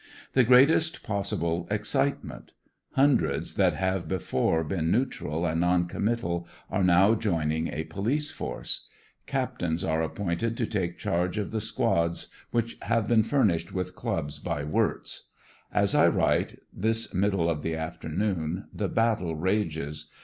The greatest possible excitement. Hundreds that have before been neutral and non commital are now joining a police force. Captains are appointed to take charge of the squads which have been furnished with clubs by Wirtz. As I write, this middle of the afternoon, the battle rages.